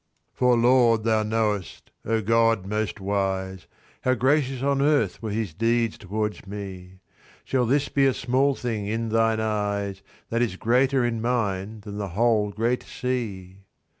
"'For, Lord, thou knowest, O God most wise, How gracious on earth were his deeds towards me. Shall this be a small thing in thine eyes, That is greater in mine than the whole great sea?'